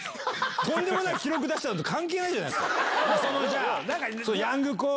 とんでもない記録出した後関係ないじゃないですか。